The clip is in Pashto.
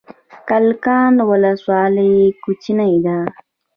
کلکان ولسوالۍ کوچنۍ ده؟